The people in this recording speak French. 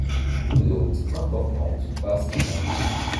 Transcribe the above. Beaucoup de routes importantes passent par la ville.